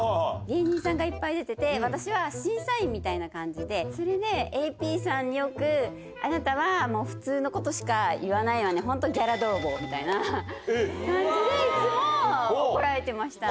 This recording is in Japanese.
芸人さんがいっぱい出てて、私は、審査員みたいな感じで、それでＡＰさんによく、あなたは普通のことしか言わないよね、本当にギャラ泥棒みたいな感じで、いつも怒られてました。